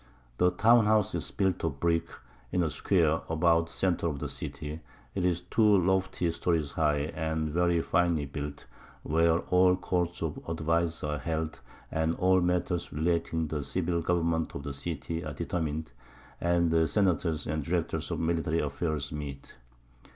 The Town house is built of Brick, in a Square, about the Center of the City; 'tis two lofty Stories high, and very finely built, where all Courts of Advice are held, and all Matters relating to the Civil Government of the City are determin'd, and the Senators and Directors of military Affairs meet.